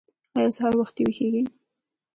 ایا سهار وختي ویښیږئ؟